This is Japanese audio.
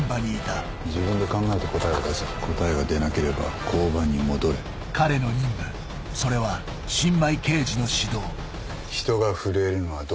「自分で考えて答えを出せ」「答えが出なければ交番に戻れ」「人が震えるのはどんなときだ」